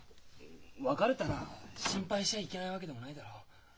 別れたら心配しちゃいけないわけでもないだろう？